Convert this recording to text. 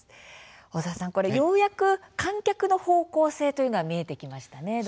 小澤さん、ようやく観客の方向性が見えてきましたね。